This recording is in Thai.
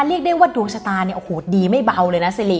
เรียกได้ว่าดวงชะตาดีไม่เบาเลยนะซิริ